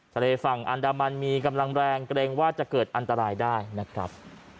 ทะเลฝั่งอันดามันมีกำลังแรงเกรงว่าจะเกิดอันตรายได้นะครับ